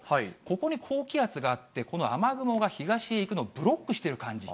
ここに高気圧があって、この雨雲が東へ行くのをブロックしている感じ。